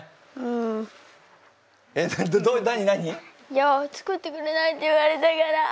いや作ってくれないって言われたから。